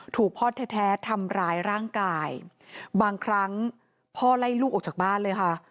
ถูกพ่อแท้ทำร้ายร่างกายบางครั้งพ่อไล่ลูกออกจากบ้านเลยค่ะ